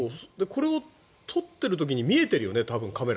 これを撮っている時にカメラ、見えてるよね。